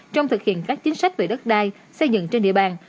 trong thực hiện các chính sách về đất đai xây dựng trên địa bàn